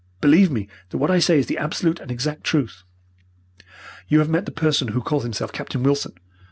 Believe me that what I say is the absolute and exact truth. "You have met the person who calls himself Captain Wilson.